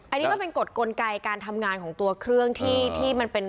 อันนี้ก็เป็นกฎกลไกการทำงานของตัวเครื่องที่มันเป็น